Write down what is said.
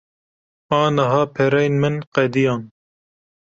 Aniha pereyên min qediyan.